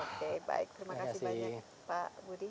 oke baik terima kasih banyak pak budi